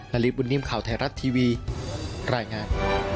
ริบุญนิ่มข่าวไทยรัฐทีวีรายงาน